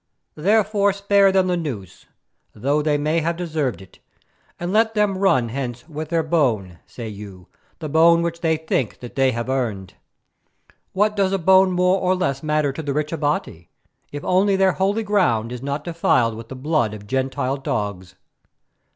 Therefore spare them the noose, though they may have deserved it, and let them run hence with their bone, say you, the bone which they think that they have earned. What does a bone more or less matter to the rich Abati, if only their holy ground is not defiled with the blood of Gentile dogs?"